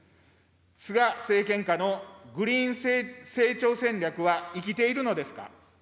菅政権下のグリーン成長戦略は生きているのですか。